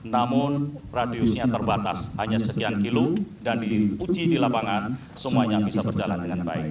namun radiusnya terbatas hanya sekian kilo dan diuji di lapangan semuanya bisa berjalan dengan baik